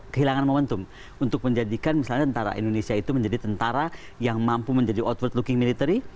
kehilangan momentum untuk menjadikan misalnya tentara indonesia itu menjadi tentara yang mampu menjadi outward looking military